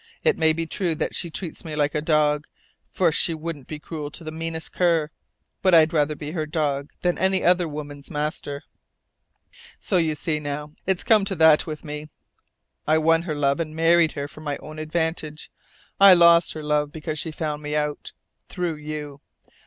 It may be true that she treats me like a dog, for she wouldn't be cruel to the meanest cur. But I'd rather be her dog than any other woman's master. "So you see now. It's come to that with me. I won her love and married her for my own advantage. I lost her love because she found me out through you.